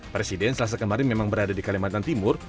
presiden selasa kemarin memang berada di kalimantan timur